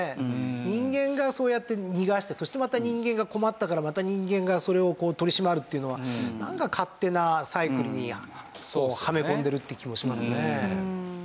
人間がそうやって逃がしてそしてまた人間が困ったからまた人間がそれを取り締まるっていうのは勝手なサイクルにはめ込んでるっていう気もしますね。